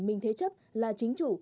mình thế chấp là chính chủ